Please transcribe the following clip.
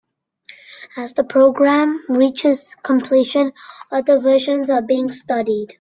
As the programme reaches completion, other versions are being studied.